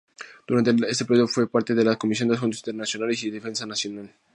Durante este periodo fue parte de la comisión de asuntos internacionales y defensa nacional.